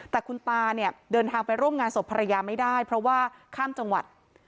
แต่คุณตาเนี่ยเดินทางไปร่วมงานศพภรรยาไม่ได้เพราะว่าข้ามจังหวัด